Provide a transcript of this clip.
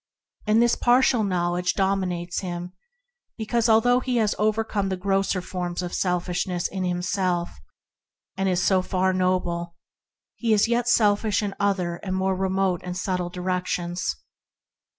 This partial knowledge dom inates him because, although he has over come the grosser forms of selfishness in himself, and is so far noble, he is yet selfish in other and more remote and subtle 28 ENTERING THE KINGDOM directions.